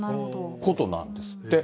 ことなんですって。